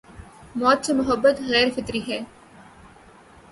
موت سے محبت غیر فطری ہے۔